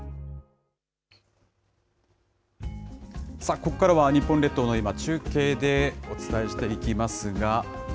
ここからは日本列島の今、中継でお伝えしていきますが。